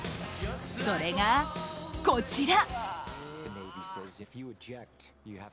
それが、こちら。